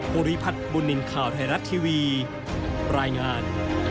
ภูริพัฒน์บุญนินทร์ข่าวไทยรัฐทีวีรายงาน